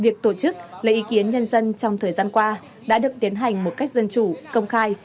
việc tổ chức lấy ý kiến nhân dân trong thời gian qua đã được tiến hành một cách dân chủ công khai